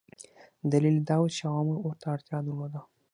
دلیل یې دا و چې عوامو ورته اړتیا درلوده.